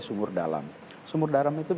sumur dalam sumur garam itu